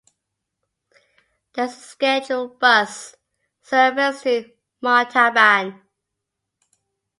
There is a scheduled bus service to Montauban.